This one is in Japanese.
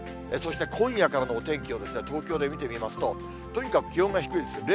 そして今夜からのお天気を東京で見てみますと、とにかく気温が低いです。